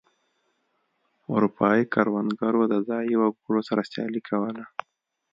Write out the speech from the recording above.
اروپايي کروندګرو د ځايي وګړو سره سیالي کوله.